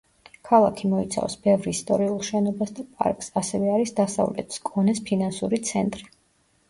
ქალაქი მოიცავს ბევრ ისტორიულ შენობას და პარკს, ასევე არის დასავლეთ სკონეს ფინანსური ცენტრი.